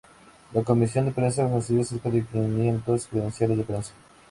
La comisión de prensa concedió cerca de quinientos credenciales de prensa.